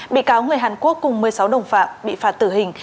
bị cáo người hàn quốc cùng một mươi sáu đồng phạm bị phạt tử hình